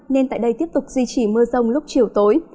nên tại đây tiếp tục duy trì mưa rông lúc chiều tối